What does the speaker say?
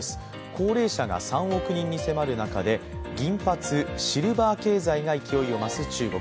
高齢者が３億人に迫る中で銀髪経済が勢いを増す中国。